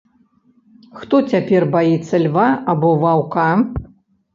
Хто цяпер баіцца льва або ваўка?